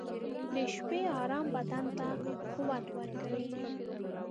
• د شپې ارام بدن ته قوت ورکوي.